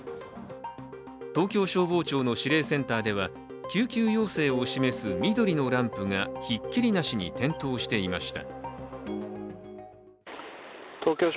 東京消防庁の指令センターでは救急要請を示す緑のランプがひっきりなしに点灯していました。